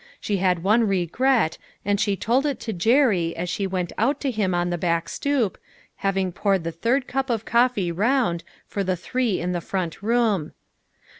She had one re gret and she told it to Jerry as she went out to him on the back stoop, having poured the third cup of coffee around, for the three in the front room.